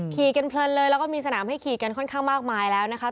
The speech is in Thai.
ขี่กันเพลินเลยแล้วก็มีสนามให้ขี่กันค่อนข้างมากมายแล้วนะคะ